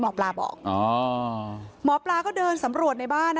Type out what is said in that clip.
หมอปลาบอกอ๋อหมอปลาก็เดินสำรวจในบ้านนะ